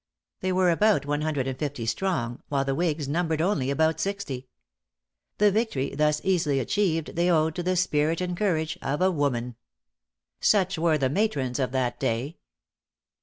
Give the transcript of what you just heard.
They were about one hundred and fifty strong, while the whigs numbered only about sixty. The victory thus easily achieved they owed to the spirit and courage of a woman! Such were the matrons of that day.